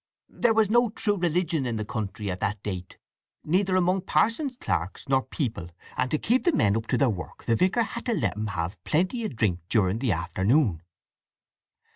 There was no true religion in the country at that date, neither among pa'sons, clerks, nor people, and to keep the men up to their work the vicar had to let 'em have plenty of drink during the afternoon.